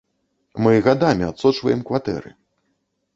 Мы гадамі адсочваем кватэры.